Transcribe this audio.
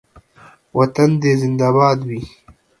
وطن دې زنده باد وي